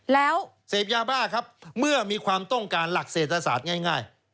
แล้วเสพยาบ้าครับเมื่อมีความต้องการหลักเศรษฐศาสตร์ง่าย